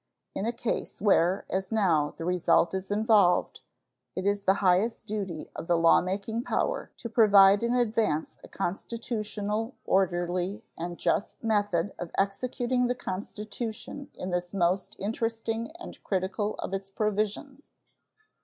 In a case where, as now, the result is involved, it is the highest duty of the lawmaking power to provide in advance a constitutional, orderly, and just method of executing the Constitution in this most interesting and critical of its provisions.